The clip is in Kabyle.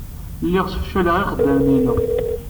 Lliɣ ssefcaleɣ ixeddamen-inu.